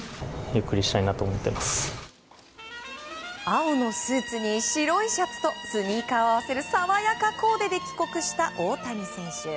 青のスーツと白いシャツとスニーカーを合わせる爽やかコーデで帰国した大谷選手。